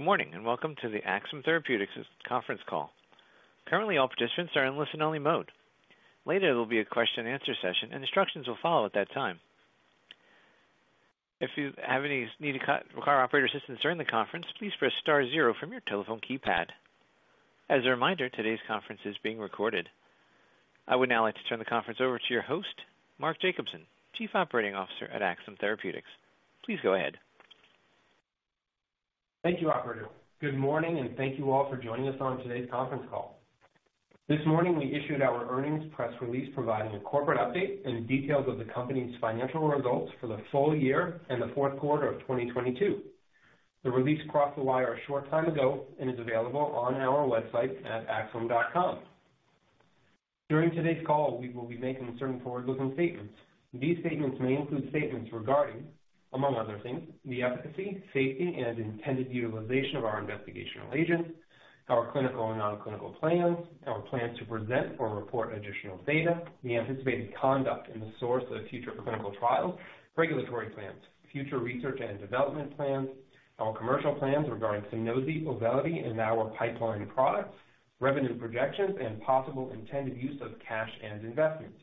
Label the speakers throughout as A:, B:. A: Good morning, welcome to the Axsome Therapeutics conference call. Currently, all participants are in listen-only mode. Later, there will be a question and answer session, and instructions will follow at that time. If you have any need to require operator assistance during the conference, please press star zero from your telephone keypad. As a reminder, today's conference is being recorded. I would now like to turn the conference over to your host, Mark Jacobson, Chief Operating Officer at Axsome Therapeutics. Please go ahead.
B: Thank you, operator. Good morning. Thank you all for joining us on today's conference call. This morning, we issued our earnings press release providing a corporate update and details of the company's financial results for the full year and the fourth quarter of 2022. The release crossed the wire a short time ago and is available on our website at axsome.com. During today's call, we will be making certain forward-looking statements. These statements may include statements regarding, among other things, the efficacy, safety, and intended utilization of our investigational agents, our clinical and non-clinical plans, our plans to present or report additional data, the anticipated conduct and the source of future clinical trials, regulatory plans, future research and development plans, our commercial plans regarding Sunosi, Auvelity and our pipeline products, revenue projections, and possible intended use of cash and investments.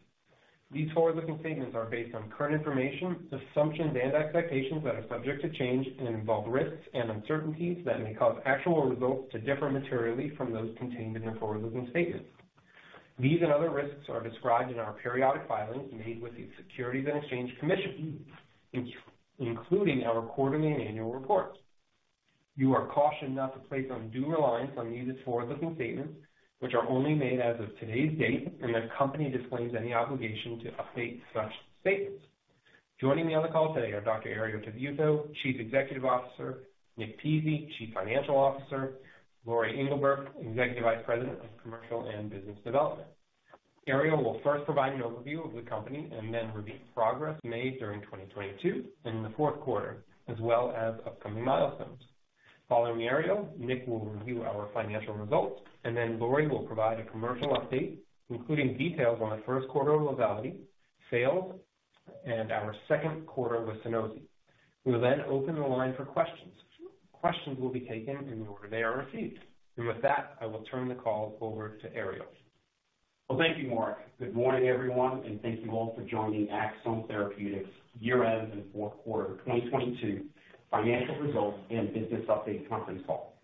B: These forward-looking statements are based on current information, assumptions and expectations that are subject to change and involve risks and uncertainties that may cause actual results to differ materially from those contained in the forward-looking statements. These and other risks are described in our periodic filings made with the Securities and Exchange Commission, including our quarterly and annual reports. You are cautioned not to place undue reliance on these forward-looking statements, which are only made as of today's date, and that company disclaims any obligation to update such statements. Joining me on the call today are Dr. Herriot Tabuteau, Chief Executive Officer, Nick Pizzie, Chief Financial Officer, Lori Englebert, Executive Vice President of Commercial and Business Development. Herriot will first provide an overview of the company and then review progress made during 2022 and in the fourth quarter, as well as upcoming milestones. Following Herriot, Nick will review our financial results, then Lori will provide a commercial update, including details on the first quarter of Auvelity sales and our second quarter with Sunosi. We will then open the line for questions. Questions will be taken in the order they are received. With that, I will turn the call over to Herriot.
C: Well, thank you, Mark. Good morning, everyone, and thank you all for joining Axsome Therapeutics year-end and fourth quarter 2022 financial results and business update conference call.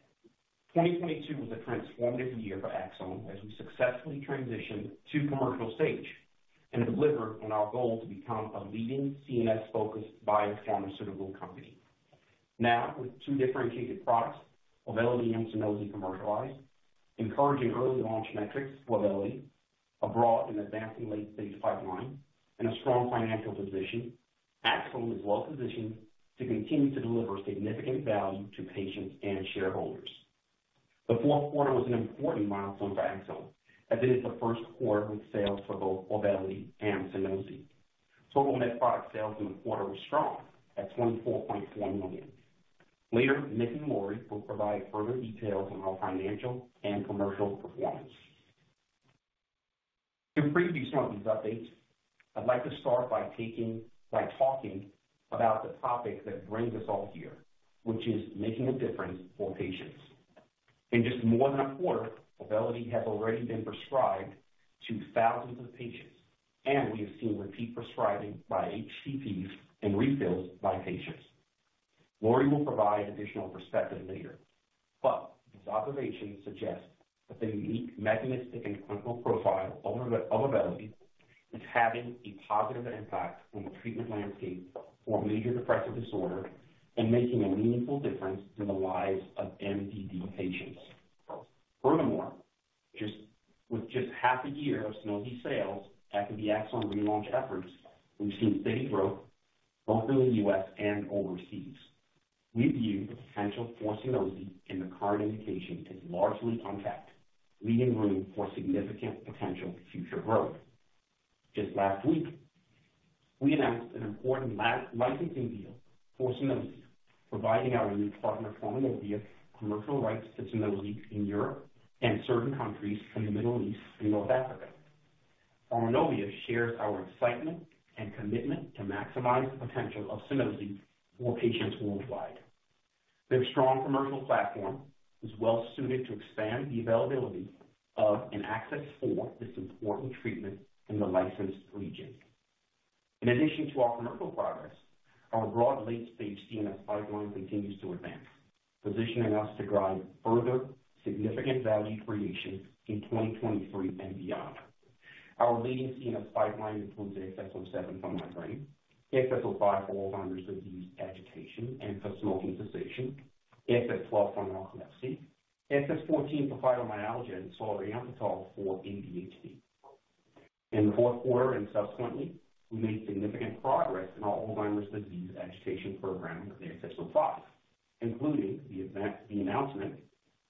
C: 2022 was a transformative year for Axsome as we successfully transitioned to commercial stage and delivered on our goal to become a leading CNS-focused biopharmaceutical company. Now, with two differentiated products, Auvelity and Sunosi commercialized, encouraging early launch metrics for Auvelity, a broad and advancing late-stage pipeline, and a strong financial position, Axsome is well-positioned to continue to deliver significant value to patients and shareholders. The fourth quarter was an important milestone for Axsome as it is the first quarter with sales for both Auvelity and Sunosi. Total net product sales in the quarter were strong at $24.4 million. Later, Nick and Lori will provide further details on our financial and commercial performance. To preview some of these updates, I'd like to start by talking about the topic that brings us all here, which is making a difference for patients. In just more than a quarter, Auvelity has already been prescribed to thousands of patients. We have seen repeat prescribing by HCPs and refills by patients. Lori will provide additional perspective later. These observations suggest that the unique mechanistic and clinical profile of Auvelity is having a positive impact on the treatment landscape for major depressive disorder and making a meaningful difference in the lives of MDD patients. With just half a year of Sunosi sales after the Axsome relaunch efforts, we've seen steady growth both in the U.S. and overseas. We view the potential for Sunosi in the current indication as largely untapped, leaving room for significant potential future growth. Just last week, we announced an important licensing deal for Sunosi, providing our new partner, Pharmanovia, commercial rights to Sunosi in Europe and certain countries in the Middle East and North Africa. Pharmanovia shares our excitement and commitment to maximize the potential of Sunosi for patients worldwide. Their strong commercial platform is well suited to expand the availability of, and access for, this important treatment in the licensed regions. In addition to our commercial progress, our broad late-stage CNS pipeline continues to advance, positioning us to drive further significant value creation in 2023 and beyond. Our leading CNS pipeline includes AXS-07 for migraine, AXS-05 for Alzheimer's disease agitation and for smoking cessation, AXS-12 for narcolepsy, AXS-14 for fibromyalgia, and solriamfetol for ADHD. Subsequently, we made significant progress in our Alzheimer's disease agitation program with AXS-05, including the announcement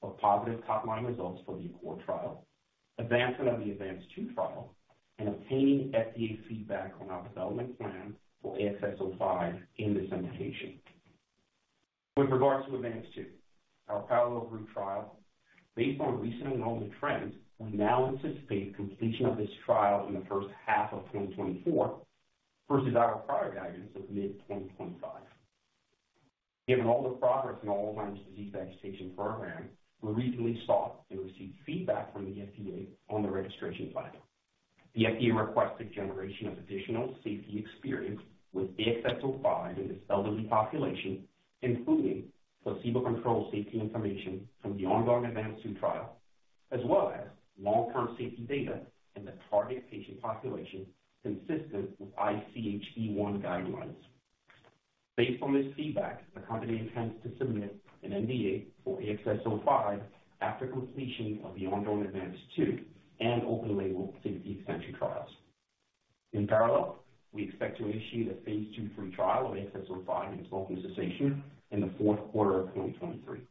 C: of positive top-line results for the ACCORD trial, advancement of the ADVANCE-2 trial, and obtaining FDA feedback on our development plan for AXS-05 in this indication. With regards to ADVANCE-2, our parallel group trial. Based on recent enrollment trends, we now anticipate completion of this trial in the first half of 2024 versus our prior guidance of mid-2025. Given all the progress in Alzheimer's disease agitation program, we recently sought and received feedback from the FDA on the registration filing. The FDA requested generation of additional safety experience with AXS-05 in this elderly population, including placebo-controlled safety information from the ongoing ADVANCE-2 trial, as well as long-term safety data in the target patient population consistent with ICH E1 guidelines. Based on this feedback, the company intends to submit an NDA for AXS-05 after completion of the ongoing ADVANCE-2 and open label safety extension trials. In parallel, we expect to initiate a phase II, III trial of AXS-05 in smoking cessation in the fourth quarter of 2023.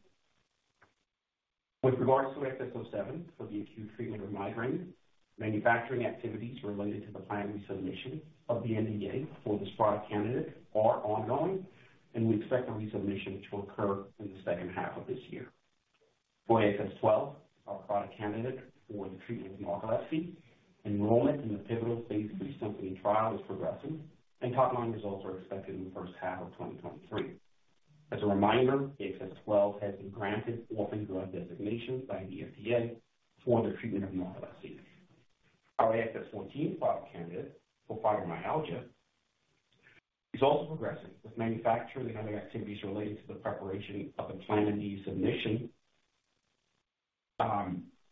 C: With regards to AXS-07 for the acute treatment of migraine, manufacturing activities related to the planned resubmission of the NDA for this product candidate are ongoing, and we expect the resubmission to occur in the second half of this year. For AXS-12, our product candidate for the treatment of narcolepsy, enrollment in the pivotal phase III SYMPHONY trial is progressing, and top-line results are expected in the first half of 2023. As a reminder, AXS-07 has been granted Orphan Drug Designation by the FDA for the treatment of narcolepsy. Our AXS-14 product candidate for fibromyalgia is also progressing, with manufacturing and other activities related to the preparation of a planned new submission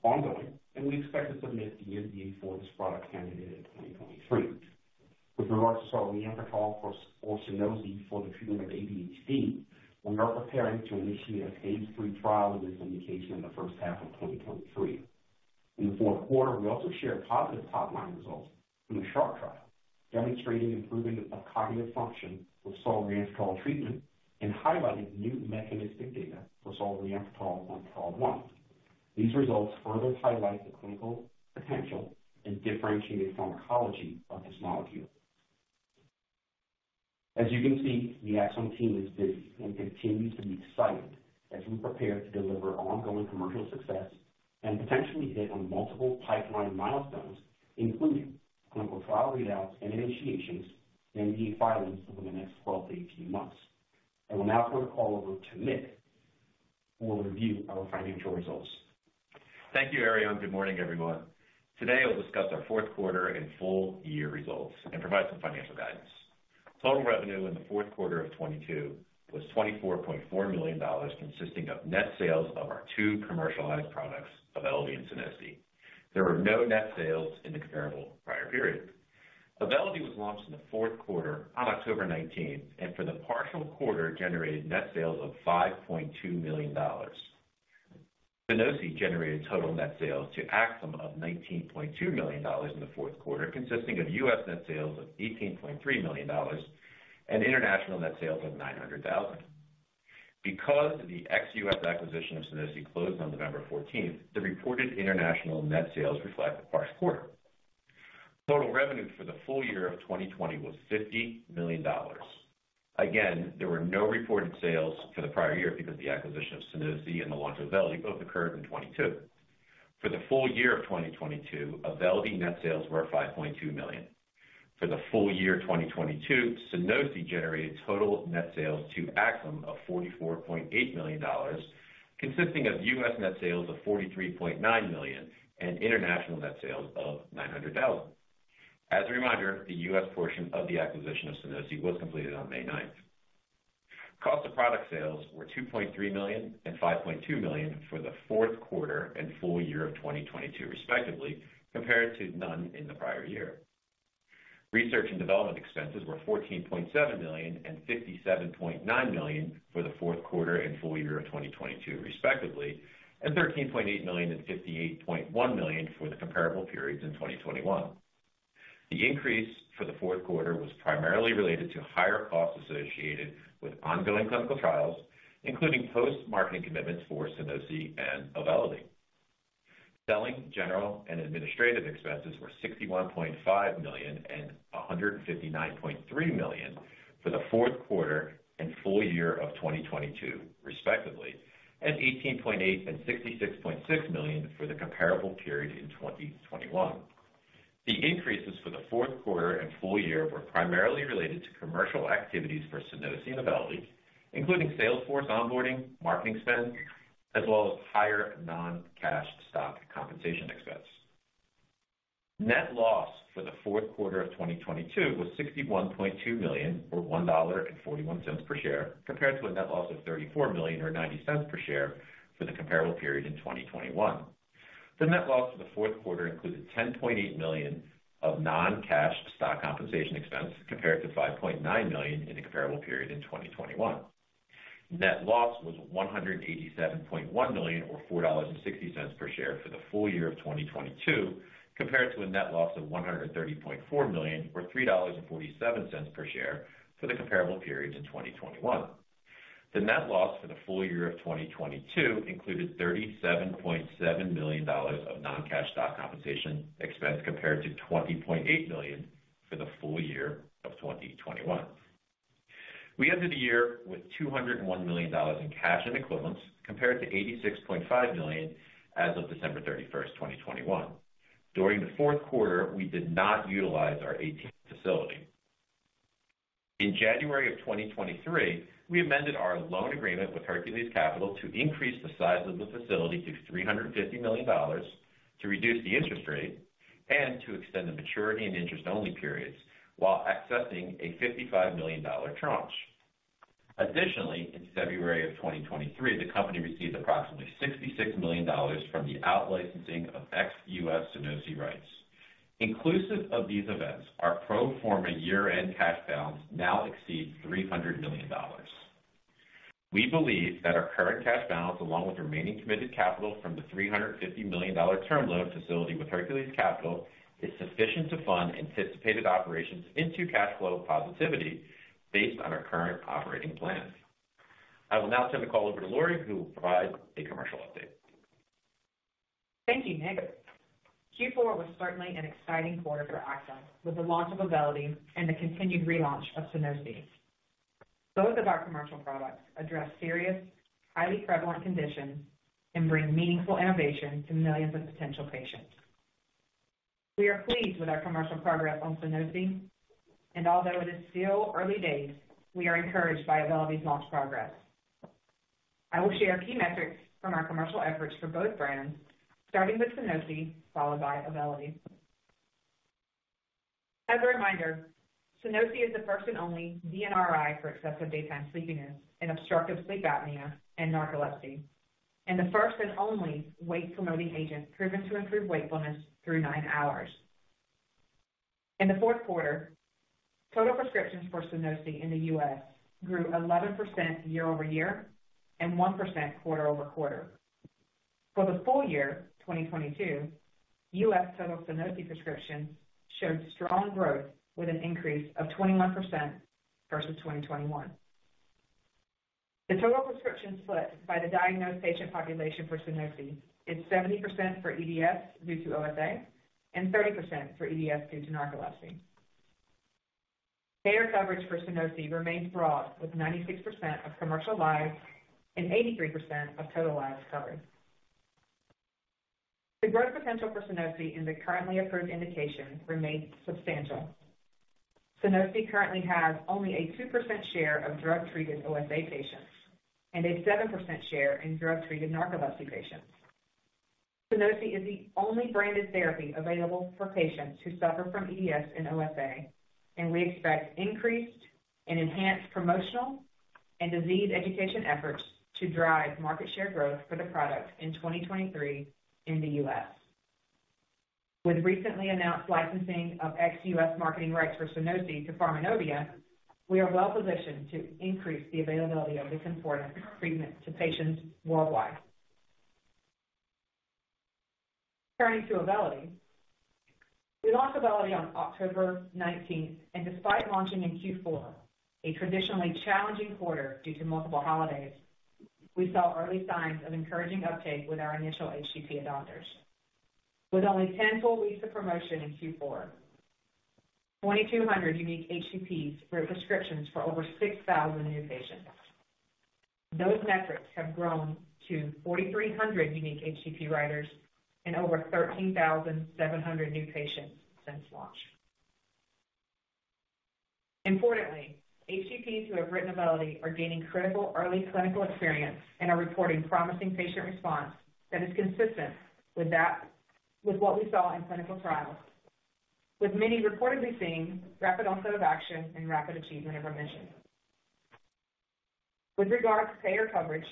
C: ongoing. We expect to submit the NDA for this product candidate in 2023. With regards to solriamfetol for Sunosi for the treatment of ADHD, we are preparing to initiate a phase III trial of this indication in the first half of 2023. In the fourth quarter, we also shared positive top-line results from the SHARP trial, demonstrating improvement of cognitive function with solriamfetol treatment and highlighted new mechanistic data for solriamfetol on trial one. These results further highlight the clinical potential and differentiated pharmacology of this molecule. As you can see, the Axsome team is busy and continues to be excited as we prepare to deliver ongoing commercial success and potentially hit on multiple pipeline milestones, including clinical trial readouts and initiations and filings within the next 12 to 18 months. I will now turn the call over to Nick, who will review our financial results.
D: Thank you, Herriot. Good morning, everyone. Today, I'll discuss our fourth quarter and full year results and provide some financial guidance. Total revenue in the fourth quarter of 2022 was $24.4 million, consisting of net sales of our two commercialized products, Auvelity and Sunosi. There were no net sales in the comparable prior period. Auvelity was launched in the fourth quarter on October 19th, and for the partial quarter generated net sales of $5.2 million. Sunosi generated total net sales to Axsome of $19.2 million in the fourth quarter, consisting of U.S. net sales of $18.3 million and international net sales of $900,000. Because the ex-U.S. acquisition of Sunosi closed on November 14th, the reported international net sales reflect the prior quarter. Total revenue for the full year of 2020 was $50 million. Again, there were no reported sales for the prior year because the acquisition of Sunosi and the launch of Auvelity both occurred in 2022. For the full year of 2022, Auvelity net sales were $5.2 million. For the full year 2022, Sunosi generated total net sales to Axsome of $44.8 million, consisting of U.S. net sales of $43.9 million and international net sales of $900,000. As a reminder, the U.S. portion of the acquisition of Sunosi was completed on May 9th. Cost of product sales were $2.3 million and $5.2 million for the fourth quarter and full year of 2022 respectively, compared to none in the prior year. Research and development expenses were $14.7 million and $57.9 million for the fourth quarter and full year of 2022 respectively, and $13.8 million and $58.1 million for the comparable periods in 2021. The increase for the fourth quarter was primarily related to higher costs associated with ongoing clinical trials, including post-marketing commitments for Sunosi and Auvelity. Selling, general and administrative expenses were $61.5 million and $159.3 million for the fourth quarter and full year of 2022 respectively, and $18.8 and $66.6 million for the comparable period in 2021. The increases for the fourth quarter and full year were primarily related to commercial activities for Sunosi and Auvelity, including sales force onboarding, marketing spend, as well as higher non-cash stock compensation expense. Net loss for the fourth quarter of 2022 was $61.2 million or $1.41 per share, compared to a net loss of $34 million or $0.90 per share for the comparable period in 2021. The net loss for the fourth quarter included $10.8 million of non-cash stock compensation expense, compared to $5.9 million in the comparable period in 2021. Net loss was $187.1 million or $4.60 per share for the full year of 2022, compared to a net loss of $130.4 million or $3.47 per share for the comparable period in 2021. The net loss for the full year of 2022 included $37.7 million of non-cash stock compensation expense, compared to $20.8 million for the full year of 2021. We ended the year with $201 million in cash and equivalents compared to $86.5 million as of December 31st, 2021. During the fourth quarter, we did not utilize our ATM facility. In January of 2023, we amended our loan agreement with Hercules Capital to increase the size of the facility to $350 million to reduce the interest rate and to extend the maturity and interest only periods while accessing a $55 million tranche. Additionally, in February of 2023, the company received approximately $66 million from the out-licensing of ex-U.S. Sunosi rights. Inclusive of these events, our pro forma year-end cash balance now exceeds $300 million. We believe that our current cash balance, along with remaining committed capital from the $350 million term loan facility with Hercules Capital, is sufficient to fund anticipated operations into cash flow positivity based on our current operating plans. I will now turn the call over to Lori, who will provide a commercial update.
E: Thank you, Nick. Q4 was certainly an exciting quarter for Axsome. With the launch of Auvelity and the continued relaunch of Sunosi. Both of our commercial products address serious, highly prevalent conditions and bring meaningful innovation to millions of potential patients. We are pleased with our commercial progress on Sunosi, and although it is still early days, we are encouraged by Auvelity's launch progress. I will share key metrics from our commercial efforts for both brands, starting with Sunosi, followed by Auvelity. As a reminder, Sunosi is the first and only DNRI for excessive daytime sleepiness in obstructive sleep apnea and narcolepsy, and the first and only wake-promoting agent proven to improve wakefulness through nine hours. In the fourth quarter, total prescriptions for Sunosi in the U.S. grew 11% year-over-year and 1% quarter-over-quarter. For the full year 2022, U.S. total Sunosi prescriptions showed strong growth with an increase of 21% versus 2021. The total prescription split by the diagnosed patient population for Sunosi is 70% for EDS due to OSA and 30% for EDS due to narcolepsy. Payer coverage for Sunosi remains broad, with 96% of commercial lives and 83% of total lives covered. The growth potential for Sunosi in the currently approved indication remains substantial. Sunosi currently has only a 2% share of drug-treated OSA patients and a 7% share in drug-treated narcolepsy patients. Sunosi is the only branded therapy available for patients who suffer from EDS and OSA, and we expect increased and enhanced promotional and disease education efforts to drive market share growth for the product in 2023 in the U.S. With recently announced licensing of ex-U.S. marketing rights for Sunosi to Pharmanovia, we are well-positioned to increase the availability of this important treatment to patients worldwide. Turning to Auvelity. We launched Auvelity on October 19th, and despite launching in Q4, a traditionally challenging quarter due to multiple holidays, we saw early signs of encouraging uptake with our initial HCP adopters. With only 10 full weeks of promotion in Q4, 2,200 unique HCPs wrote prescriptions for over 6,000 new patients. Those metrics have grown to 4,300 unique HCP writers and over 13,700 new patients since launch. Importantly, HCPs who have written Auvelity are gaining critical early clinical experience and are reporting promising patient response that is consistent with what we saw in clinical trials, with many reportedly seeing rapid onset of action and rapid achievement of remission. With regard to payer coverage,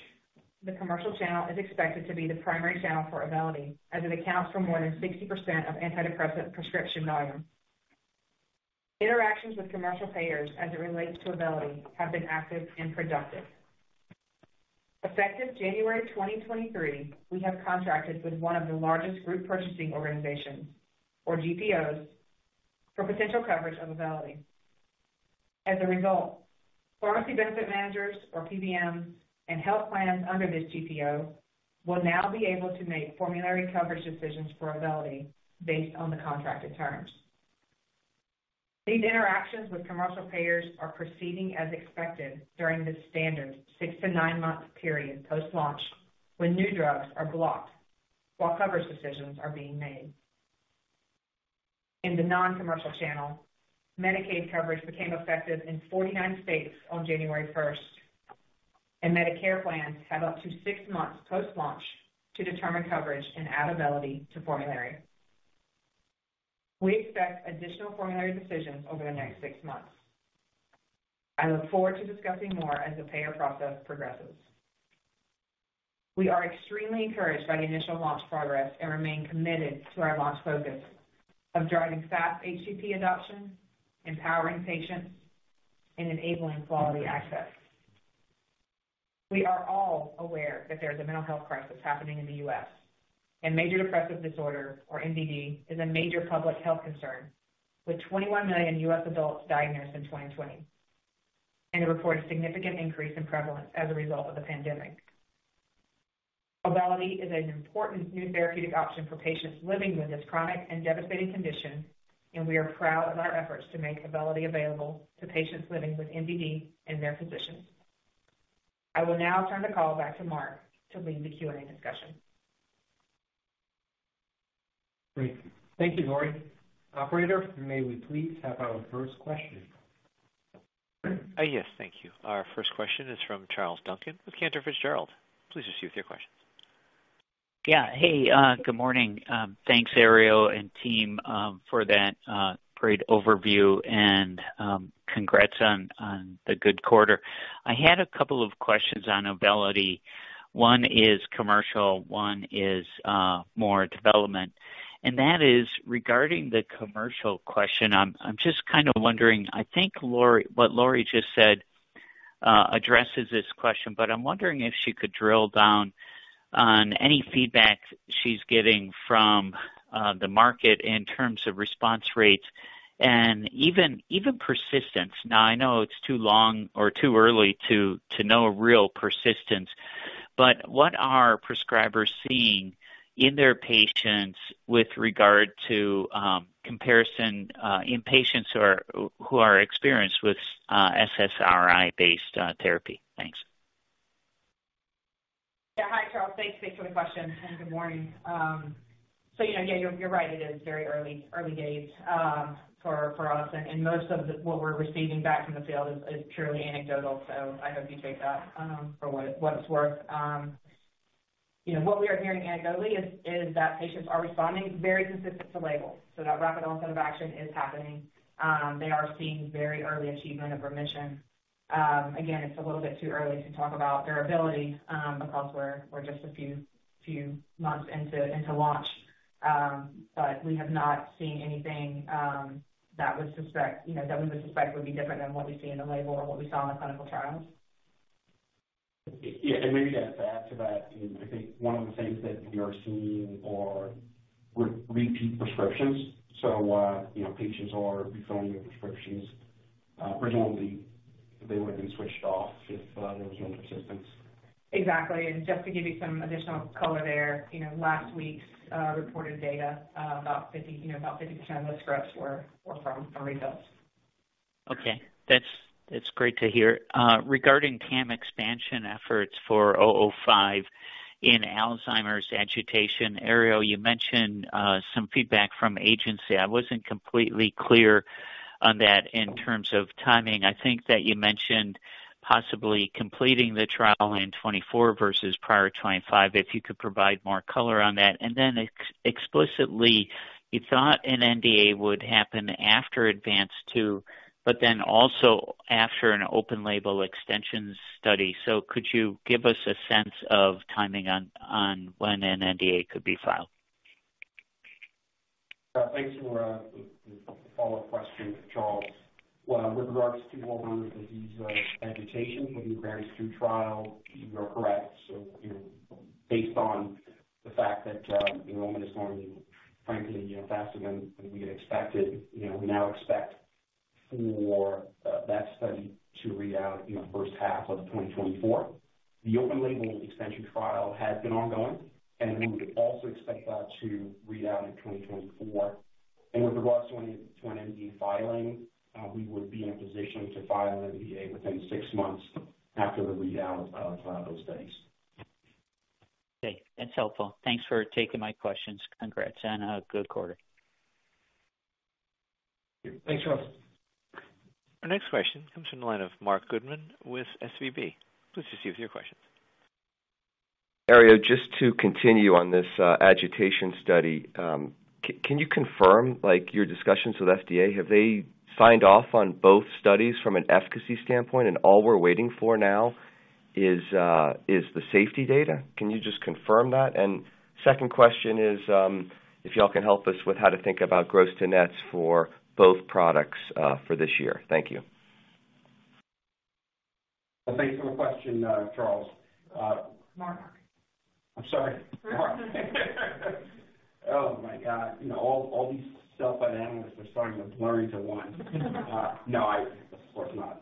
E: the commercial channel is expected to be the primary channel for Auvelity, as it accounts for more than 60% of antidepressant prescription volume. Interactions with commercial payers as it relates to Auvelity have been active and productive. Effective January 2023, we have contracted with one of the largest group purchasing organizations, or GPOs, for potential coverage of Auvelity. Pharmacy benefit managers, or PBMs, and health plans under this GPO will now be able to make formulary coverage decisions for Auvelity based on the contracted terms. These interactions with commercial payers are proceeding as expected during the standard six to nine month period post-launch, when new drugs are blocked while coverage decisions are being made. In the non-commercial channel, Medicaid coverage became effective in 49 states on January 1st, and Medicare plans have up to six months post-launch to determine coverage and add Auvelity to formulary. We expect additional formulary decisions over the next six months. I look forward to discussing more as the payer process progresses. We are extremely encouraged by the initial launch progress and remain committed to our launch focus of driving fast HCP adoption, empowering patients, and enabling quality access. We are all aware that there is a mental health crisis happening in the U.S. Major depressive disorder, or MDD, is a major public health concern, with 21 million U.S. adults diagnosed in 2020 and a reported significant increase in prevalence as a result of the pandemic. Auvelity is an important new therapeutic option for patients living with this chronic and devastating condition, and we are proud of our efforts to make Auvelity available to patients living with MDD and their physicians. I will now turn the call back to Mark to lead the Q&A discussion.
B: Great. Thank you, Lori. Operator, may we please have our first question?
A: Yes, thank you. Our first question is from Charles Duncan with Cantor Fitzgerald. Please proceed with your questions.
F: Hey, good morning. Thanks, Herriot and team, for that great overview and congrats on the good quarter. I had a couple of questions on Auvelity. One is commercial, one is more development, and that is regarding the commercial question. I'm just kind of wondering. I think what Lori just said addresses this question, but I'm wondering if she could drill down on any feedback she's getting from the market in terms of response rates and even persistence. Now, I know it's too long or too early to know a real persistence, but what are prescribers seeing in their patients with regard to comparison in patients who are experienced with SSRI-based therapy? Thanks.
E: Hi, Charles. Thanks for the question and good morning. You know, you're right. It is very early days for us. What we're receiving back from the field is purely anecdotal. I hope you take that for what it's worth. You know, what we are hearing anecdotally is that patients are responding very consistent to label. That rapid onset of action is happening. They are seeing very early achievement of remission. Again, it's a little bit too early to talk about durability across where we're just a few months into launch. We have not seen anything that would suspect, you know, that we would suspect would be different than what we see in the label or what we saw in the clinical trials.
C: Yeah. Maybe to add to that is I think one of the things that we are seeing are repeat prescriptions. You know, patients are refilling their prescriptions. Presumably they would have been switched off if there was no persistence.
E: Exactly. Just to give you some additional color there. You know, last week's reported data, about 50, you know, about 50% of the scripts were from refills.
F: Okay. That's great to hear. Regarding TAM expansion efforts for 005 in Alzheimer's agitation. Herriot, you mentioned some feedback from agency. I wasn't completely clear on that in terms of timing. I think that you mentioned possibly completing the trial in 2024 versus prior 2025, if you could provide more color on that. Explicitly, you thought an NDA would happen after ADVANCE-2, but then also after an open label extension study. Could you give us a sense of timing on when an NDA could be filed?
C: Thanks for the follow-up question, Charles. With regards to Alzheimer's disease agitation for the [ADVANCE]-2 trials, you are correct. You know, based on the fact that, enrollment is going frankly, you know, faster than we had expected, you know, we now expect for that study to read out in the first half of 2024. The open label extension trial has been ongoing, and we would also expect that to read out in 2024. With regards to an NDA filing, we would be in a position to file an NDA within six months after the readout of those studies.
F: Okay. That's helpful. Thanks for taking my questions. Congrats on a good quarter.
B: Thanks, Charles.
A: Our next question comes from the line of Marc Goodman with SVB. Please proceed with your questions.
G: Herriot, just to continue on this agitation study. Can you confirm, like, your discussions with FDA? Have they signed off on both studies from an efficacy standpoint, and all we're waiting for now is the safety data? Can you just confirm that? Second question is, if y'all can help us with how to think about gross to nets for both products for this year. Thank you.
C: Thanks for the question, Charles.
E: Mark.
C: I'm sorry. Mark. Oh my God. You know, all these self-identities are starting to blur into one. No, of course not.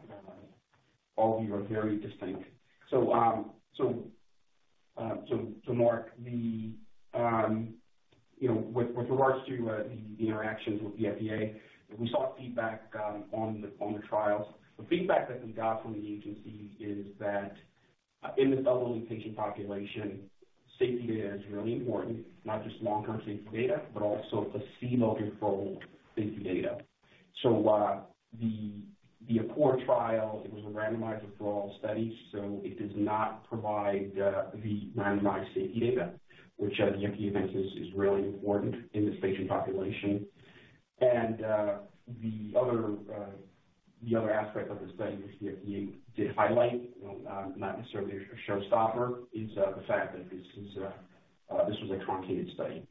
C: All of you are very distinct. Mark, you know, with regards to the interactions with the FDA, we sought feedback on the trials. The feedback that we got from the agency is that in this elderly patient population, safety data is really important. Not just long-term safety data, but also a placebo-controlled safety data. The ACCORD trial, it was a randomized withdrawal study, so it does not provide the randomized safety data, which the FDA mentions is really important in this patient population. The other aspect of the study, which the FDA did highlight, not necessarily a showstopper, is the fact that this was a truncated study.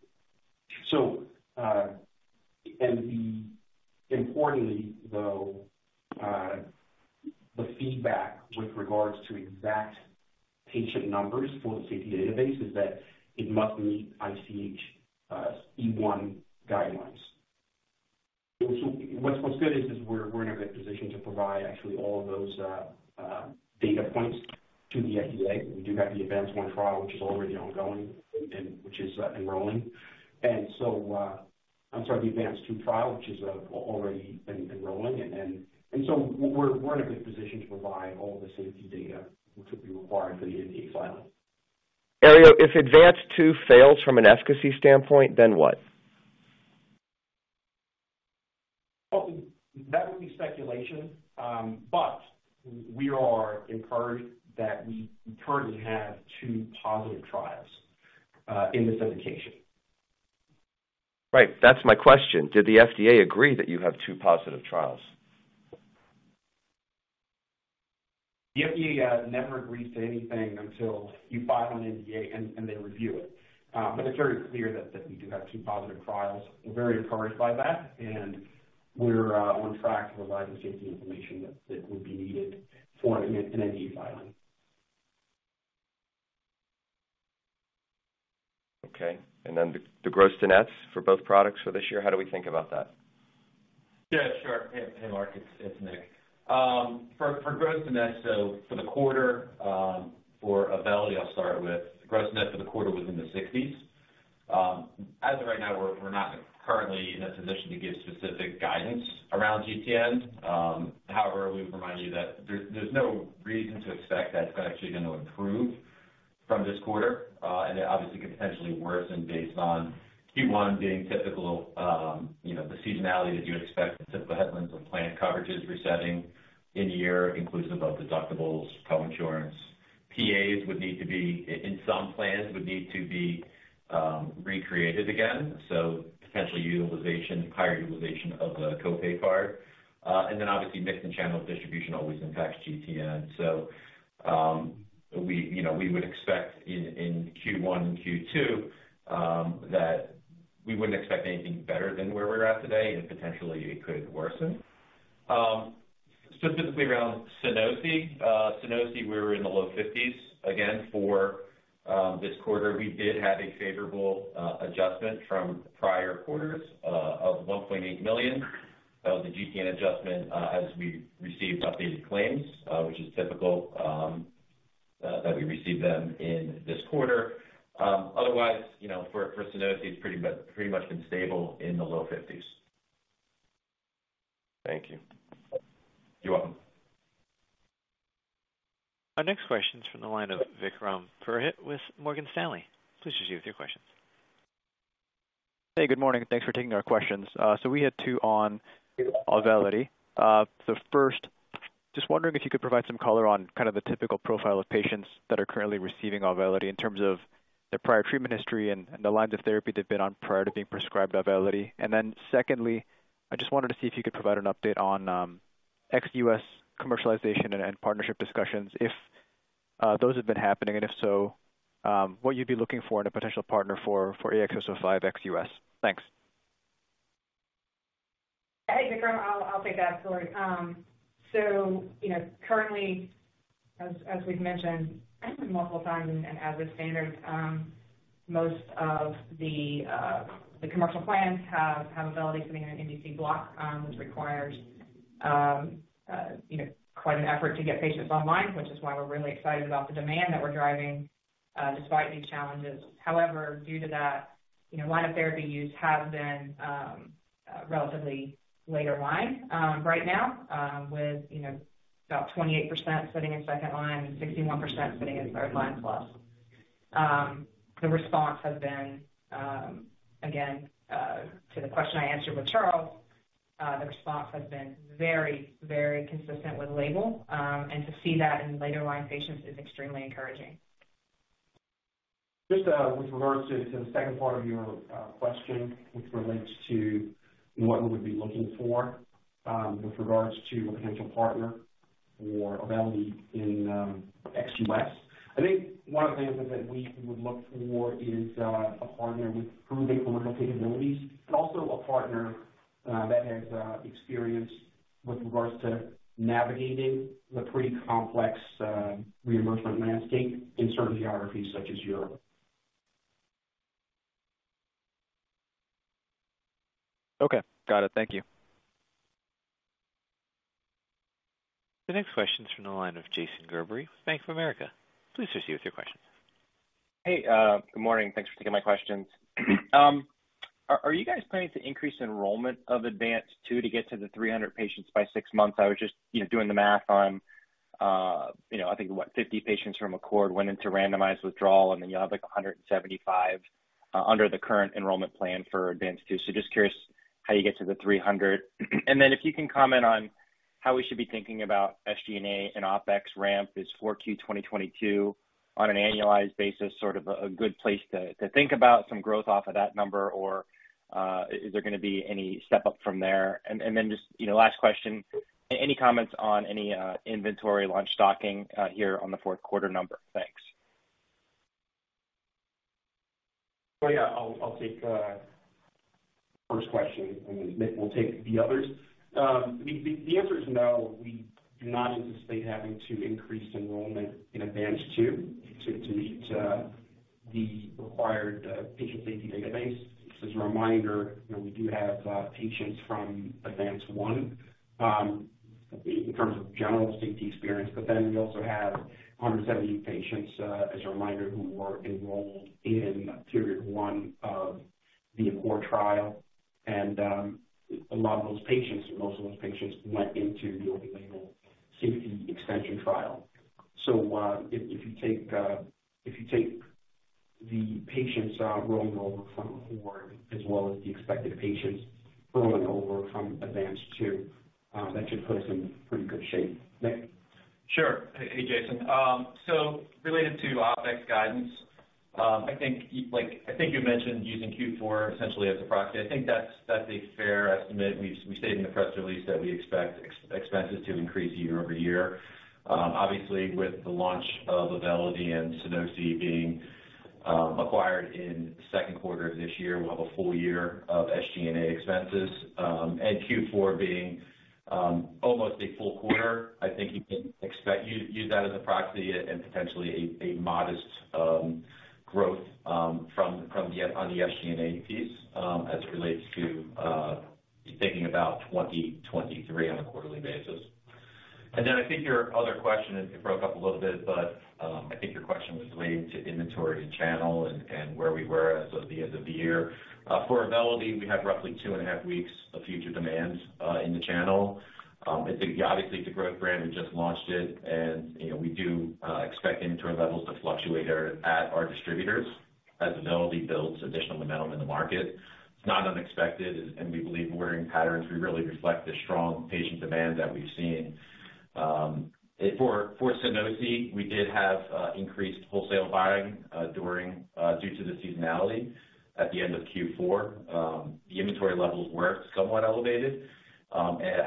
C: Importantly though, the feedback with regards to exact patient numbers for the safety database is that it must meet ICH E1 guidelines. What's good is, we're in a good position to provide actually all of those data points to the FDA. We do have the ADVANCE-1 trial, which is already ongoing and which is enrolling. I'm sorry, the ADVANCE-2 trial, which is already enrolling. So we're in a good position to provide all the safety data which would be required for the NDA filing.
G: Herriot, if ADVANCE-2 fails from an efficacy standpoint, then what?
C: That would be speculation. We are encouraged that we currently have two positive trials in this indication.
G: Right. That's my question. Did the FDA agree that you have two positive trials?
C: The FDA never agrees to anything until you file an NDA and they review it. It's very clear that we do have two positive trials. We're very encouraged by that, and we're on track to provide the safety information that would be needed for an NDA filing.
G: Okay. Then the gross to nets for both products for this year, how do we think about that?
D: Yeah, sure. Hey, Marc, it's Nick. For gross to net, for the quarter, for Auvelity, I'll start with gross net for the quarter was in the 60s. As of right now, we're not currently in a position to give specific guidance around GTN. We would remind you that there's no reason to expect that it's actually going to improve from this quarter, and it obviously could potentially worsen based on Q1 being typical, you know, the seasonality that you would expect with typical headwinds of plan coverages resetting in year inclusive of both deductibles, coinsurance. PAs would need to be, in some plans, recreated again. Potentially utilization, higher utilization of the co-pay card. Obviously mix and channel distribution always impacts GTN. We, you know, we would expect in Q1 and Q2 that we wouldn't expect anything better than where we're at today, and potentially it could worsen. Specifically around Sunosi. Sunosi, we were in the low 50s. For this quarter, we did have a favorable adjustment from prior quarters of $1.8 million of the GTN adjustment as we received updated claims, which is typical that we received them in this quarter. You know, for Sunosi, it's pretty much been stable in the low 50s.
G: Thank you.
C: You're welcome.
A: Our next question is from the line of Vikram Purohit with Morgan Stanley. Please proceed with your questions.
H: Hey, good morning. Thanks for taking our questions. We had two on Auvelity. The first, just wondering if you could provide some color on kind of the typical profile of patients that are currently receiving Auvelity in terms of their prior treatment history and the lines of therapy they've been on prior to being prescribed Auvelity. Secondly, I just wanted to see if you could provide an update on ex-U.S. commercialization and partnership discussions, if those have been happening, and if so, what you'd be looking for in a potential partner for AXS-05 ex-U.S. Thanks.
E: Hey, Vikram, I'll take that. Sorry. You know, currently as we've mentioned multiple times and as with standard, most of the commercial plans have Auvelity sitting in an NDC block, which requires, you know, quite an effort to get patients online, which is why we're really excited about the demand that we're driving despite these challenges. However, due to that, you know, line of therapy use has been relatively later line right now, with, you know, about 28% sitting in second line and 61% sitting in third line plus. The response has been again to the question I answered with Charles, the response has been very, very consistent with label, and to see that in later line patients is extremely encouraging.
C: Just with regards to the second part of your question, which relates to what we would be looking for with regards to a potential partner for Auvelity in ex-U.S. I think one of the things that we would look for is a partner with proven commercial capabilities, but also a partner that has experience with regards to navigating the pretty complex reimbursement landscape in certain geographies such as Europe.
H: Okay. Got it. Thank you.
A: The next question is from the line of Jason Gerberry with Bank of America. Please proceed with your questions.
I: Hey, good morning. Thanks for taking my questions. Are you guys planning to increase enrollment of ADVANCE-2 to get to the 300 patients by six months? I was just, you know, doing the math on, you know, I think, what, 50 patients from ACCORD went into randomized withdrawal, and then you have, like, 175 under the current enrollment plan for ADVANCE-2. Just curious how you get to the 300. If you can comment on how we should be thinking about SG&A and OpEx ramp is 4Q 2022 on an annualized basis, sort of a good place to think about some growth off of that number, or is there gonna be any step up from there? Just, you know, last question, any comments on any inventory launch stocking here on the fourth quarter number? Thanks.
C: Yeah, I'll take first question and then Nick will take the others. The answer is no. We do not anticipate having to increase enrollment in ADVANCE-2 to meet The required patient safety database. Just as a reminder, you know, we do have patients from ADVANCE-1 in terms of general safety experience. We also have 170 patients as a reminder, who were enrolled in period one of the ACCORD trial. A lot of those patients, or most of those patients went into the open label safety extension trial. If you take the patients rolling over from ACCORD as well as the expected patients rolling over from ADVANCE-2, that should put us in pretty good shape. Nick?
D: Sure. Hey, Jason. Related to OpEx guidance, like I think you mentioned using Q4 essentially as a proxy. I think that's a fair estimate. We stated in the press release that we expect expenses to increase year-over-year. Obviously, with the launch of Auvelity and Sunosi being acquired in the second quarter of this year, we'll have a full year of SG&A expenses. And Q4 being almost a full quarter, I think you can expect use that as a proxy and potentially a modest growth from the on the SG&A piece as it relates to thinking about 2023 on a quarterly basis. I think your other question, it broke up a little bit, but I think your question was related to inventory and channel and where we were as of the end of the year. For Auvelity, we have roughly two and a half weeks of future demand in the channel. I think obviously it's a growth brand. We just launched it and, you know, we do expect inventory levels to fluctuate at our distributors as Auvelity builds additional momentum in the market. It's not unexpected and we believe we're in patterns we really reflect the strong patient demand that we've seen. For Sunosi, we did have increased wholesale buying during due to the seasonality at the end of Q4. The inventory levels were somewhat elevated.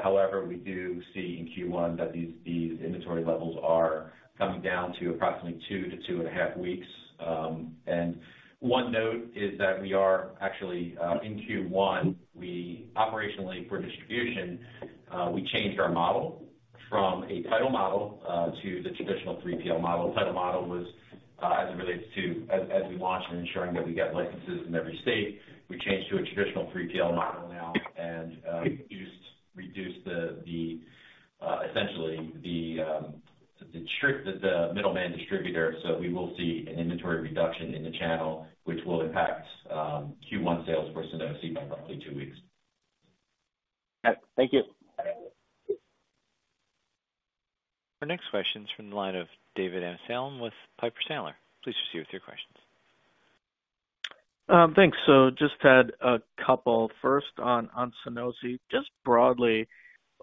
D: However, we do see in Q1 that these inventory levels are coming down to approximately two to two and a half weeks. One note is that we are actually in Q1, we operationally for distribution, we changed our model from a title model to the traditional 3PL model. Title model was as it relates to as we launch and ensuring that we get licenses in every state. We changed to a traditional 3PL model now and reduced the essentially the trick that the middleman distributor. We will see an inventory reduction in the channel, which will impact Q1 sales for Sunosi by roughly two weeks.
I: Yeah. Thank you.
A: Our next question is from the line of David Amsellem with Piper Sandler. Please proceed with your questions.
J: Thanks. Just had a couple. First on Sunosi. Just broadly,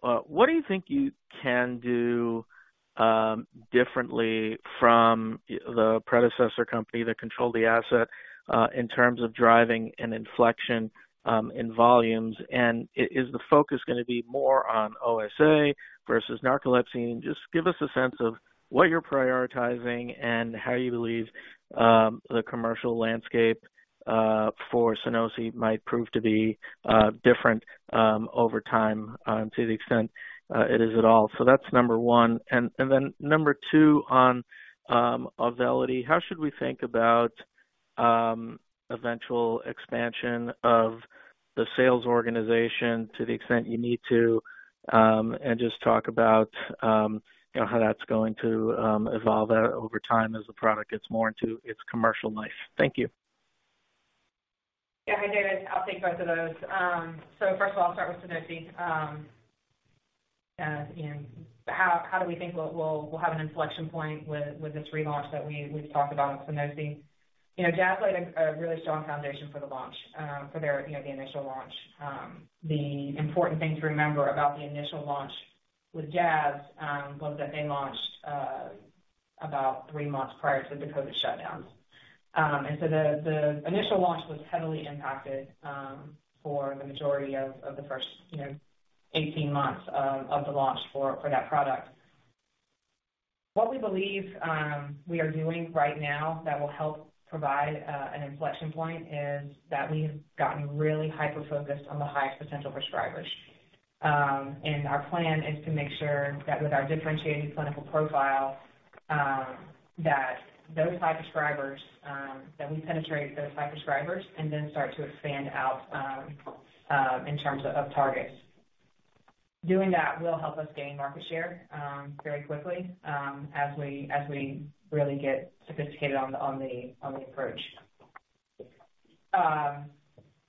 J: what do you think you can do, differently from the predecessor company that controlled the asset, in terms of driving an inflection, in volumes? Is the focus gonna be more on OSA versus narcolepsy? Just give us a sense of what you're prioritizing and how you believe, the commercial landscape, for Sunosi might prove to be, different, over time, to the extent, it is at all. That's number one. Then number two on Auvelity. How should we think about, eventual expansion of the sales organization to the extent you need to? Just talk about, you know, how that's going to, evolve, over time as the product gets more into its commercial life. Thank you.
E: Hi, David. I'll take both of those. First of all, I'll start with Sunosi. You know, how do we think we'll have an inflection point with this relaunch that we've talked about with Sunosi. You know, Jazz laid a really strong foundation for the launch for their, you know, the initial launch. The important thing to remember about the initial launch with Jazz was that they launched about three months prior to the COVID shutdowns. The initial launch was heavily impacted for the majority of the first, you know, 18 months of the launch for that product. What we believe we are doing right now that will help provide an inflection point is that we've gotten really hyper-focused on the highest potential prescribers. Our plan is to make sure that with our differentiating clinical profile, that those high prescribers, that we penetrate those high prescribers and then start to expand out in terms of targets. Doing that will help us gain market share very quickly as we really get sophisticated on the approach.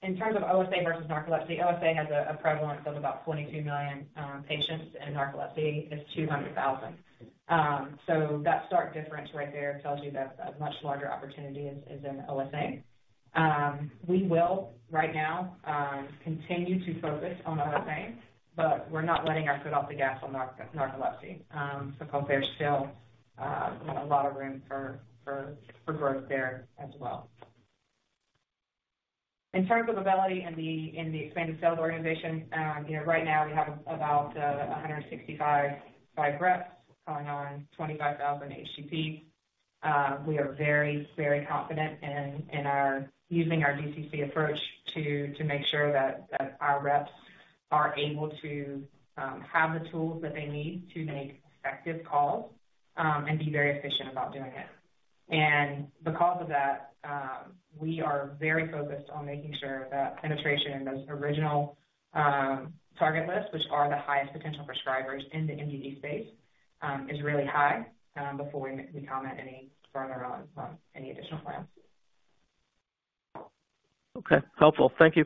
E: In terms of OSA versus narcolepsy, OSA has a prevalence of about 22 million patients and narcolepsy is 200,000. That stark difference right there tells you that a much larger opportunity is in OSA. We will right now continue to focus on OSA, but we're not letting our foot off the gas on narcolepsy because there's still a lot of room for growth there as well. In terms of Auvelity and the expanded sales organization, you know, right now we have about 165 reps calling on 25,000 HCPs. We are very confident in our using our DCC approach to make sure that our reps are able to have the tools that they need to make effective calls. Be very efficient about doing it. Because of that, we are very focused on making sure that penetration in those original target list, which are the highest potential prescribers in the MDD space, is really high, before we comment any further on any additional plans.
J: Okay. Helpful. Thank you.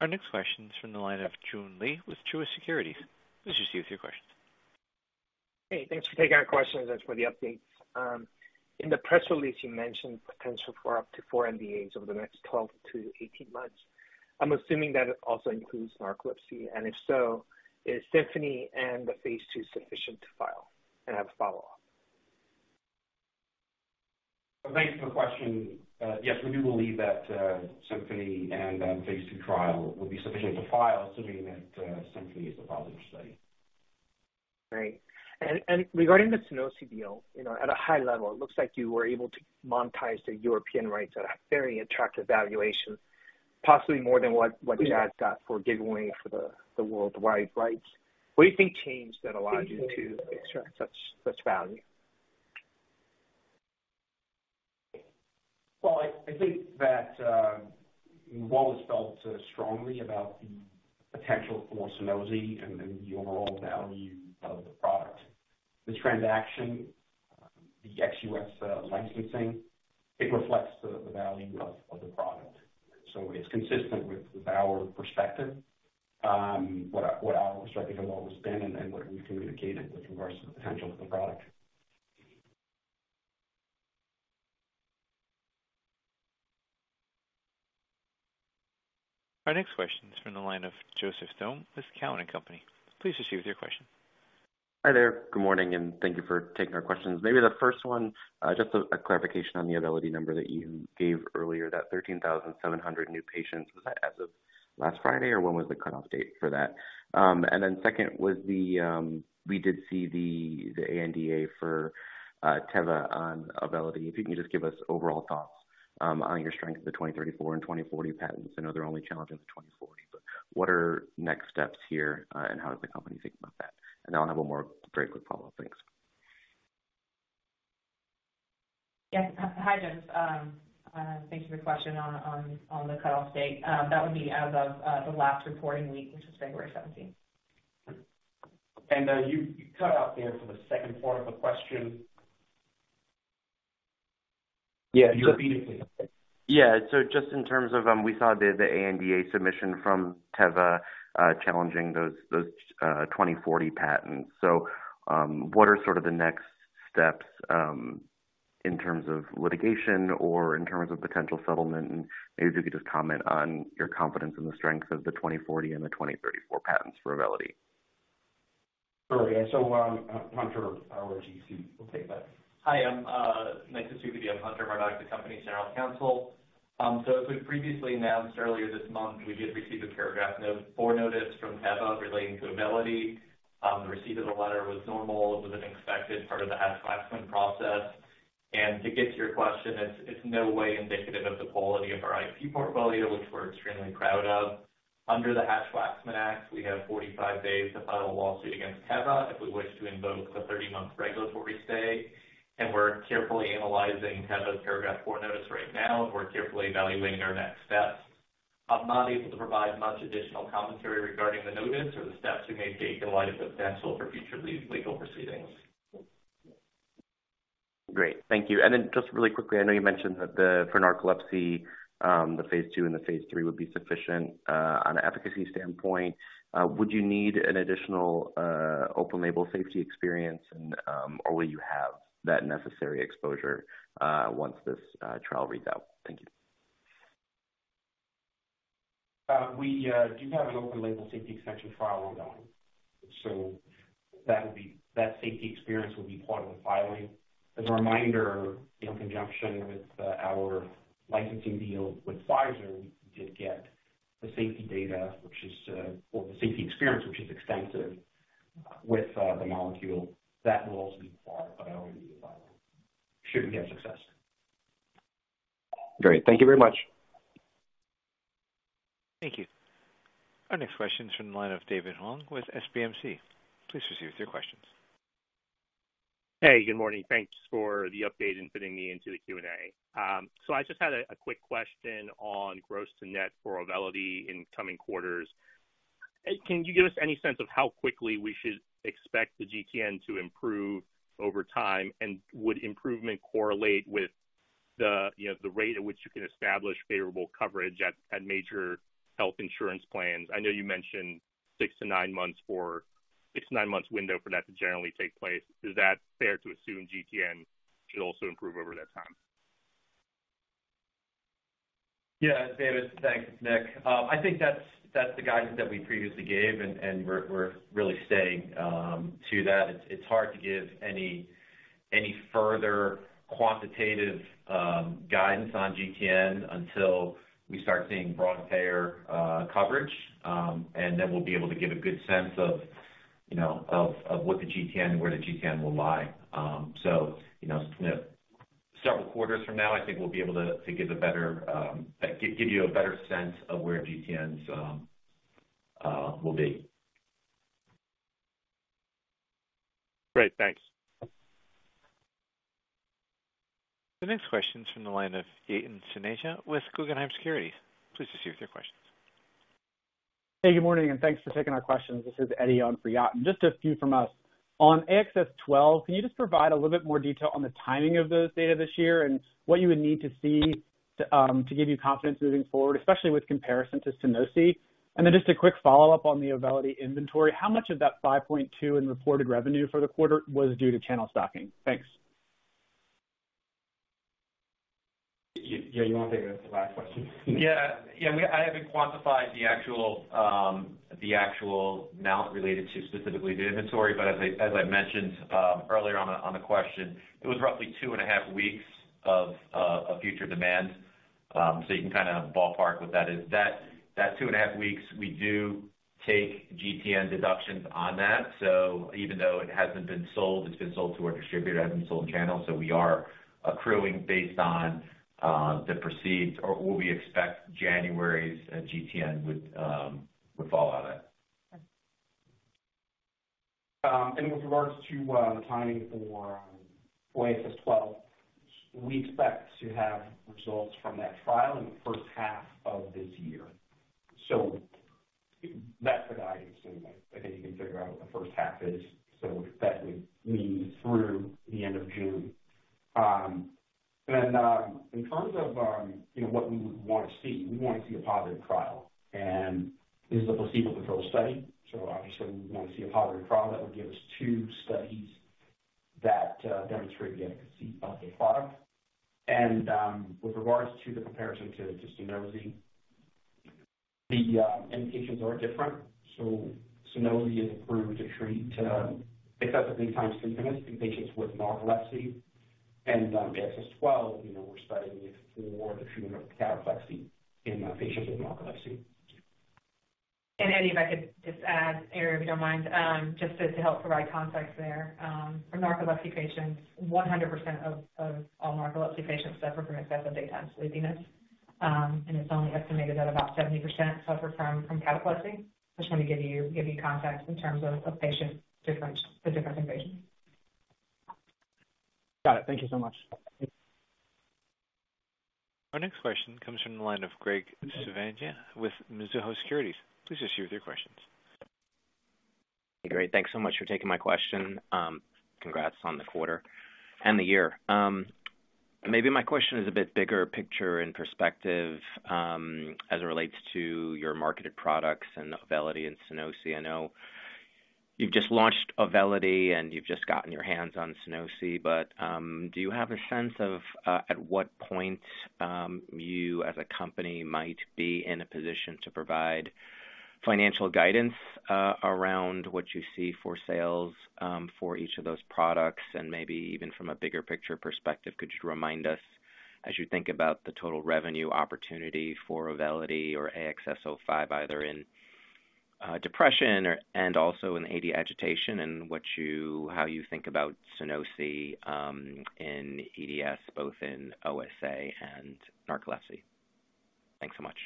A: Our next question is from the line of Joon Lee with Truist Securities. Please proceed with your questions.
K: Hey, thanks for taking our questions and for the updates. In the press release, you mentioned potential for up to four NDAs over the next 12-18 months. I'm assuming that it also includes narcolepsy, and if so, is SYMPHONY and the phase II sufficient to file? I have a follow-up.
C: Thanks for the question. Yes, we do believe that SYMPHONY and phase II trial will be sufficient to file, assuming that SYMPHONY is a positive study.
K: Great. Regarding the Sunosi deal, you know, at a high level, it looks like you were able to monetize the European rights at a very attractive valuation, possibly more than what you guys got for giving away for the worldwide rights. What do you think changed that allowed you to extract such value?
C: I think that [we always] felt strongly about the potential for Sunosi and the overall value of the product. This transaction, the ex-U.S. licensing, it reflects the value of the product. It's consistent with our perspective, what our perspective has always been and what we've communicated with regards to the potential of the product.
A: Our next question is from the line of Joseph Thome with Cowen and Company. Please proceed with your question.
L: Hi there. Good morning, and thank you for taking our questions. Maybe the first one, just a clarification on the availability number that you gave earlier, that 13,700 new patients. Was that as of last Friday, or when was the cutoff date for that? Then second was the ANDA for Teva on Auvelity. If you can just give us overall thoughts, on your strength of the 2034 and 2040 patents. I know they're only challenging the 2040, but what are next steps here, and how does the company think about that? Then I'll have one more very quick follow-up. Thanks.
E: Yes. Hi, Joseph. Thank you for the question on the cutoff date. That would be as of the last reporting week, which was February 17th.
C: You cut out there for the second part of the question.
L: Yeah.
C: You repeated it.
L: Yeah. Just in terms of, we saw the ANDA submission from Teva, challenging those 2040 patents. What are sort of the next steps in terms of litigation or in terms of potential settlement? Maybe if you could just comment on your confidence in the strength of the 2040 and the 2034 patents for Auvelity?
C: Sure. Yeah. Hunter, our GC, will take that.
M: Hi, nice to see you. I'm Hunter Murdock, the company's general counsel. As we previously announced earlier this month, we did receive a paragraph four notice from Teva relating to Auvelity. The receipt of the letter was normal. It was an expected part of the Hatch-Waxman process. To get to your question, it's no way indicative of the quality of our IP portfolio, which we're extremely proud of. Under the Hatch-Waxman Act, we have 45 days to file a lawsuit against Teva if we wish to invoke the 30-month regulatory stay. We're carefully analyzing Teva's Paragraph IV notice right now, and we're carefully evaluating our next steps. I'm not able to provide much additional commentary regarding the notice or the steps we may take in light of the potential for future legal proceedings.
L: Great. Thank you. Just really quickly, I know you mentioned that the, for narcolepsy, the phase II and the phase III would be sufficient on an efficacy standpoint. Would you need an additional open label safety experience and, or will you have that necessary exposure once this trial reads out? Thank you.
C: We do have an open label safety extension trial ongoing. That safety experience will be part of the filing. As a reminder, in conjunction with our licensing deal with Pfizer, we did get the safety data, which is or the safety experience, which is extensive with the molecule. That will also be part of our filing should we have success.
L: Great. Thank you very much.
A: Thank you. Our next question is from the line of David Hoang with SMBC. Please proceed with your questions.
N: Hey, good morning. Thanks for the update and fitting me into the Q&A. I just had a quick question on gross to net for Auvelity in coming quarters. Can you give us any sense of how quickly we should expect the GTN to improve over time? Would improvement correlate with the, you know, the rate at which you can establish favorable coverage at major health insurance plans? I know you mentioned six to nine months window for that to generally take place. Is that fair to assume GTN should also improve over that time?
D: Yeah. David, thanks. It's Nick. I think that's the guidance that we previously gave, and we're really staying to that. It's hard to give any further quantitative guidance on GTN until we start seeing broad payer coverage. We'll be able to give a good sense of, you know, of what the GTN and where the GTN will lie. You know, several quarters from now, I think we'll be able to give a better, give you a better sense of where GTNs will be.
N: Great. Thanks.
A: The next question is from the line of Yatin Suneja with Guggenheim Securities. Please proceed with your questions.
O: Hey, good morning. Thanks for taking our questions. This is Eddie on for Yatin. Just a few from us. On AXS-12, can you just provide a little bit more detail on the timing of the data this year and what you would need to see to give you confidence moving forward, especially with comparison to Sunosi? Just a quick follow-up on the Auvelity inventory. How much of that $5.2 in reported revenue for the quarter was due to channel stocking? Thanks.
C: Yeah, you wanna take the last question?
D: Yeah. Yeah. I haven't quantified the actual, the actual amount related to specifically the inventory. But as I mentioned, earlier on the question, it was roughly two and a half weeks of a future demand. You can kinda ballpark what that is. That two and a half weeks, we do take GTN deductions on that. Even though it hasn't been sold, it's been sold to our distributor, it hasn't been sold in channel, so we are accruing based on the proceeds or what we expect January's GTN would fall out at.
C: With regards to the timing for AXS-12, we expect to have results from that trial in the first half of this year. That's the guidance. I think you can figure out what the first half is. That would mean through the end of June. Then, in terms of, you know, what we would want to see, we wanna see a positive trial. This is a placebo-controlled study, so obviously we wanna see a positive trial that would give us two studies that demonstrate the efficacy of a product. With regards to the comparison to Sunosi, the indications are different. Sunosi is approved to treat excessive daytime somnolence in patients with narcolepsy. AXS-12, you know, we're studying it for the treatment of cataplexy in patients with narcolepsy.
E: Eddie, if I could just add here, if you don't mind, just to help provide context there. For narcolepsy patients, 100% of all narcolepsy patients suffer from excessive daytime sleepiness. It's only estimated that about 70% suffer from cataplexy. Just wanna give you context in terms of patient difference, the difference in patients.
O: Got it. Thank you so much.
A: Our next question comes from the line of Graig Suvannavejh with Mizuho Securities. Please proceed with your questions.
P: Great. Thanks so much for taking my question. Congrats on the quarter and the year. Maybe my question is a bit bigger picture and perspective, as it relates to your marketed products and Auvelity and Sunosi. I know you've just launched Auvelity, and you've just gotten your hands on Sunosi, but do you have a sense of at what point you, as a company, might be in a position to provide financial guidance around what you see for sales for each of those products? And maybe even from a bigger picture perspective, could you remind us as you think about the total revenue opportunity for Auvelity or AXS-05, either in depression or and also in AD agitation, and how you think about Sunosi in EDS, both in OSA and narcolepsy? Thanks so much.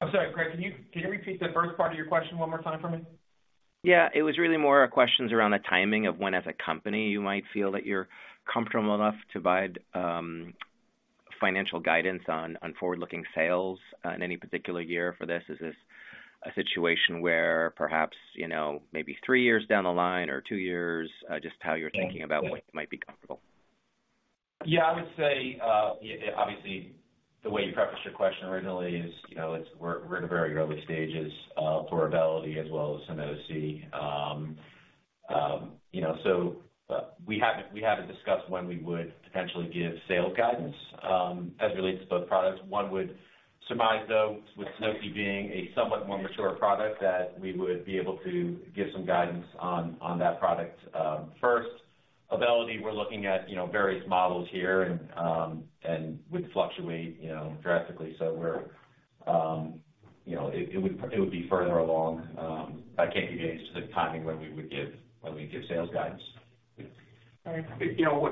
D: I'm sorry, Graig, can you repeat the first part of your question one more time for me?
P: It was really more a questions around the timing of when, as a company, you might feel that you're comfortable enough to provide financial guidance on forward-looking sales in any particular year for this. Is this a situation where perhaps, you know, maybe three years down the line or two years, just how you're thinking about when you might be comfortable?
D: Yeah, I would say, obviously, the way you prefaced your question originally is, you know, it's we're in the very early stages for Auvelity as well as Sunosi. You know, we haven't discussed when we would potentially give sales guidance as it relates to both products. One would surmise, though, with Sunosi being a somewhat more mature product, that we would be able to give some guidance on that product first. Auvelity, we're looking at, you know, various models here and would fluctuate, you know, drastically. We're... You know, it would be further along. I can't give you any specific timing when we would give sales guidance. All right.
C: You know,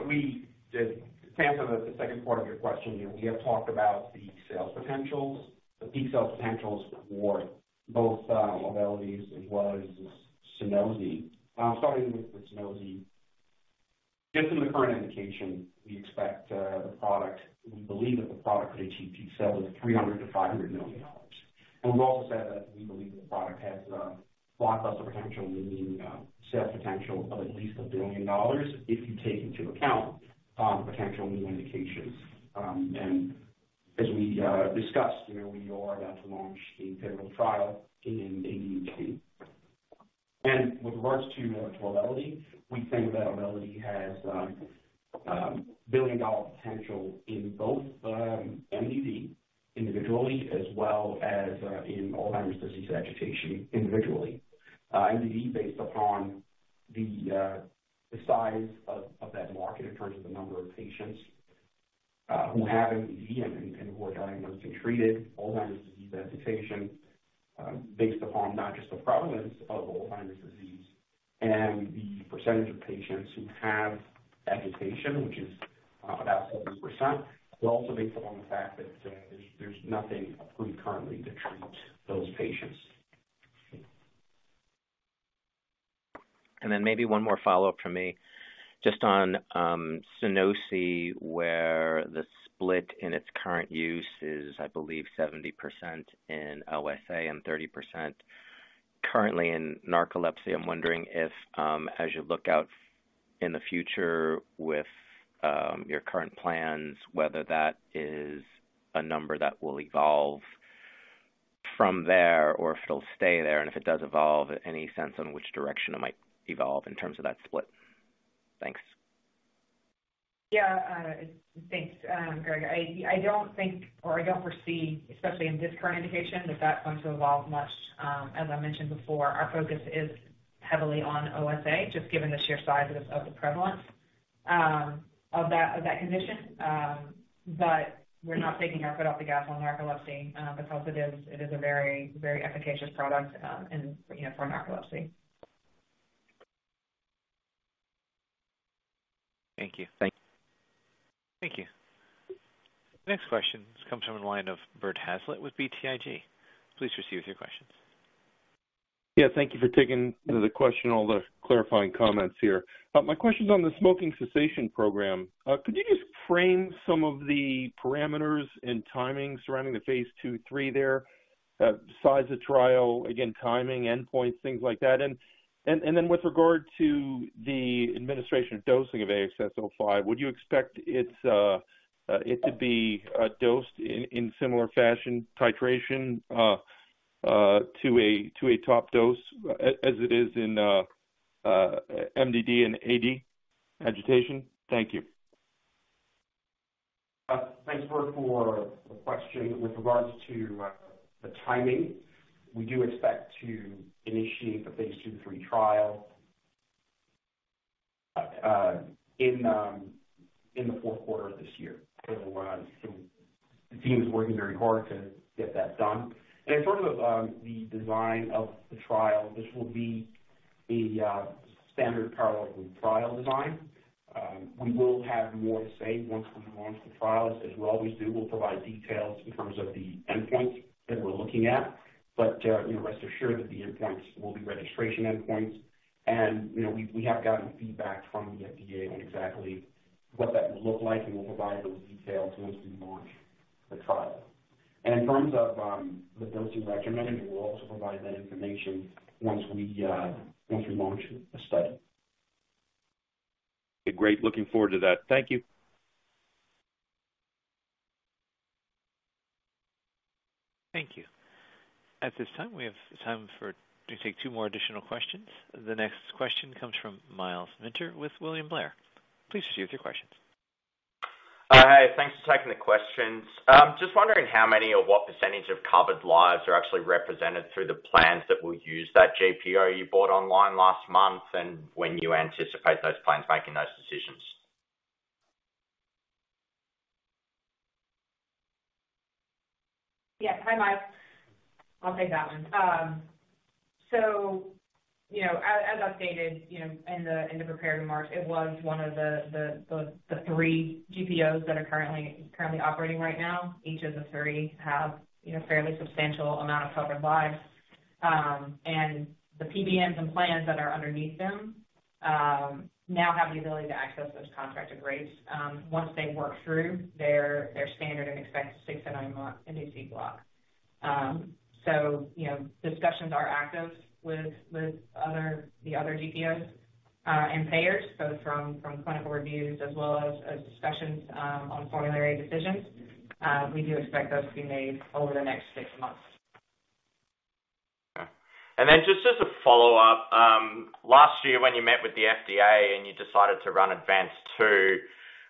C: to answer the second part of your question, you know, we have talked about the sales potentials, the peak sales potentials for both Auvelity as well as Sunosi. Starting with the Sunosi. Just in the current indication, we believe that the product could achieve peak sales of $300 million-$500 million. We've also said that we believe the product has a lot less of potential, meaning, sales potential of at least $1 billion if you take into account potential new indications. As we discussed, you know, we are about to launch a pivotal trial in ADHD. With regards to Auvelity, we think that Auvelity has billion-dollar potential in both MDD individually as well as in Alzheimer's disease agitation individually. MDD based upon the size of that market in terms of the number of patients who have AD and who are diagnosed and treated Alzheimer's disease agitation, based upon not just the prevalence of Alzheimer's disease and the percentage of patients who have agitation, which is about 70%. It also based upon the fact that there's nothing approved currently to treat those patients.
P: Maybe one more follow-up from me. Just on Sunosi, where the split in its current use is, I believe, 70% in OSA and 30% currently in narcolepsy. I'm wondering if, as you look out in the future with your current plans, whether that is a number that will evolve from there or if it'll stay there, and if it does evolve, any sense on which direction it might evolve in terms of that split? Thanks.
E: Yeah, thanks, Graig. I don't think or I don't foresee, especially in this current indication, that that's going to evolve much. As I mentioned before, our focus is heavily on OSA, just given the sheer size of the prevalence of that condition. We're not taking our foot off the gas on narcolepsy, because it is a very efficacious product, and, you know, for narcolepsy.
P: Thank you. Thank you.
A: Thank you. The next question comes from the line of Bert Hazlett with BTIG. Please proceed with your questions.
Q: Yeah, thank you for taking the question, all the clarifying comments here. My question's on the smoking cessation program. Could you just frame some of the parameters and timing surrounding the phase II, III there? Size of trial, again, timing, endpoints, things like that. Then with regard to the administration dosing of AXS-05, would you expect it to be dosed in similar fashion titration to a top dose as it is in MDD and AD agitation? Thank you.
C: Thanks, Bert, for the question. With regards to the timing, we do expect to initiate the phase II, III trial in the fourth quarter of this year. The team is working very hard to get that done. In terms of the design of the trial, this will be a standard parallel group trial design. We will have more to say once we launch the trial. As we always do, we'll provide details in terms of the endpoints that we're looking at. You know, rest assured that the endpoints will be registration endpoints. You know, we have gotten feedback from the FDA on exactly what that will look like, and we'll provide those details once we launch the trial. In terms of the dosing regimen, we'll also provide that information once we launch the study.
Q: Great. Looking forward to that. Thank you.
A: Thank you. At this time, we have time to take two more additional questions. The next question comes from Myles Minter with William Blair. Please proceed with your questions.
R: Hey, thanks for taking the questions. Just wondering how many or what percentage of covered lives are actually represented through the plans that will use that GPO you bought online last month, and when you anticipate those plans making those decisions?
E: Yeah. Hi, Myles. I'll take that one. You know, as updated, you know, in the prepared remarks, it was one of the three GPOs that are currently operating right now. Each of the three have, you know, fairly substantial amount of covered lives. The PBMs and plans that are underneath them now have the ability to access those contracted rates once they work through their standard and expected six-to-nine month NDC block. You know, discussions are active with the other GPOs and payers, both from clinical reviews as well as discussions on formulary decisions. We do expect those to be made over the next six months.
R: Okay. Just as a follow-up, last year when you met with the FDA and you decided to run ADVANCE-2,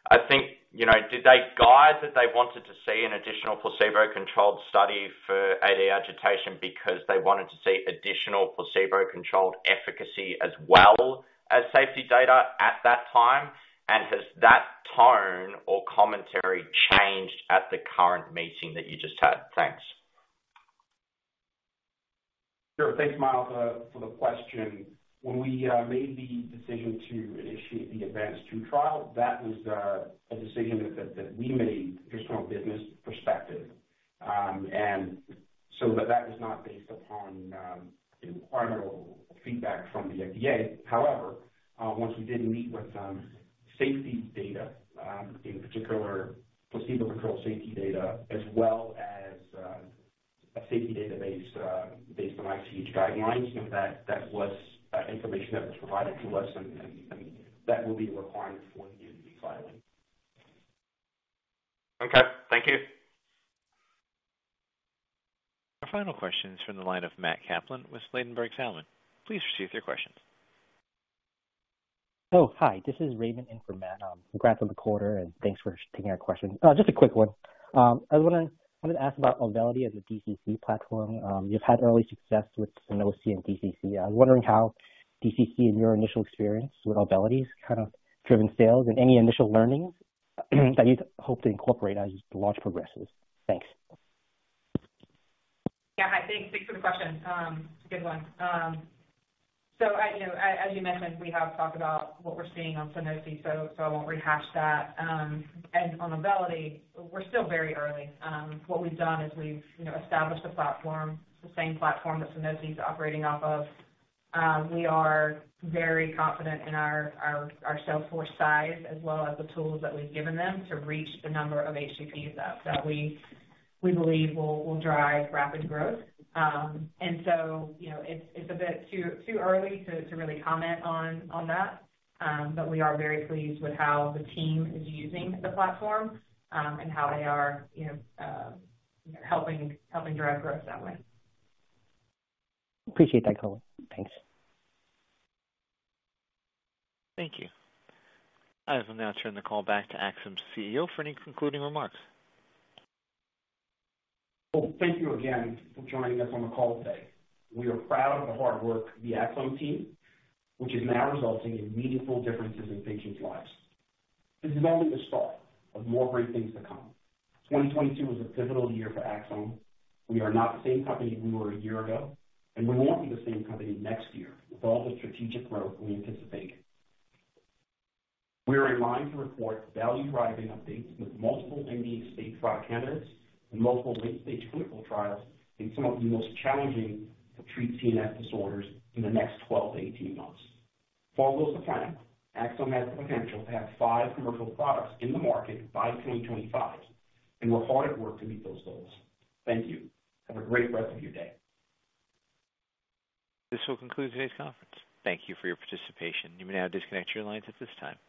R: I think, you know, did they guide that they wanted to see an additional placebo-controlled study for AD agitation because they wanted to see additional placebo-controlled efficacy as well as safety data at that time? Has that tone or commentary changed at the current meeting that you just had? Thanks.
C: Sure. Thanks, Myles, for the question. When we made the decision to initiate the ADVANCE-2 trial, that was a decision that we made just from a business perspective. That was not based upon, you know, final feedback from the FDA. However, once we did meet with safety data, in particular placebo-controlled safety data as well as a safety database, based on ICH guidelines, you know, that was information that was provided to us and that will be a requirement for the filing.
R: Okay. Thank you.
A: Our final question is from the line of Matthew Kaplan with Ladenburg Thalmann. Please proceed with your questions.
S: Hi, this is Raymond in for Matt. Congrats on the quarter, thanks for taking our questions. Just a quick one. I wanted to ask about Auvelity as a DCC platform. You've had early success with Sunosi and DCC. I was wondering how DCC, in your initial experience with Auvelity, has kind of driven sales and any initial learnings that you'd hope to incorporate as the launch progresses? Thanks.
E: Yeah. Hi, thanks. Thanks for the question. It's a good one. You know, as you mentioned, we have talked about what we're seeing on Sunosi, so I won't rehash that. On Auvelity, we're still very early. What we've done is we've, you know, established a platform, the same platform that Sunosi's operating off of. We are very confident in our sales force size as well as the tools that we've given them to reach the number of HCPs that we believe will drive rapid growth. You know, it's a bit too early to really comment on that. We are very pleased with how the team is using the platform, and how they are, you know, helping drive growth that way.
S: Appreciate that, [color]. Thanks.
A: Thank you. I will now turn the call back to Axsome's CEO for any concluding remarks.
C: Well, thank you again for joining us on the call today. We are proud of the hard work of the Axsome team, which is now resulting in meaningful differences in patients' lives. This is only the start of more great things to come. 2022 was a pivotal year for Axsome. We are not the same company we were a year ago. We won't be the same company next year with all the strategic growth we anticipate. We are in line to report value-driving updates with multiple [IND late trial] candidates and multiple late-stage clinical trials in some of the most challenging to treat CNS disorders in the next 12-18 months. Long close of time, Axsome has the potential to have five commercial products in the market by 2025. We're hard at work to meet those goals. Thank you. Have a great rest of your day.
A: This will conclude today's conference. Thank you for your participation. You may now disconnect your lines at this time.